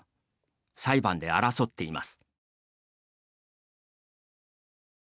裁判で争っています。